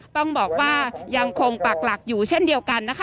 ต้องบอกว่ายังคงปักหลักอยู่เช่นเดียวกันนะคะ